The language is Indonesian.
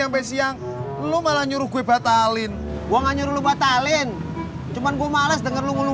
sampai siang lu malah nyuruh gue batalin gua nggak nyuruh lu batalin cuman gue males denger lu ngulu